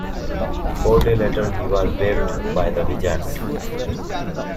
Four days later, he was waived by the Wizards.